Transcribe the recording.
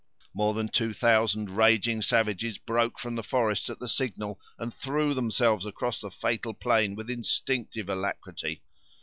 More than two thousand raving savages broke from the forest at the signal, and threw themselves across the fatal plain with instinctive alacrity.